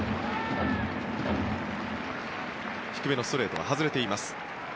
低めのストレートは外れています。